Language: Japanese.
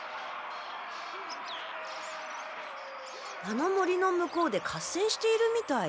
あの森の向こうで合戦しているみたい。